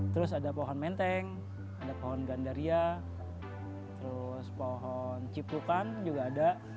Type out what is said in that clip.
terus ada pohon menteng ada pohon gandaria terus pohon cipukan juga ada